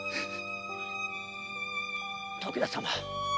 徳田様